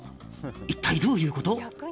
一体どういうこと？